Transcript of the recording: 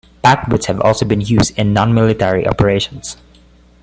PackBots have also been used in non military operations.